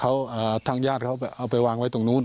เขาทางญาติเขาเอาไปวางไว้ตรงนู้น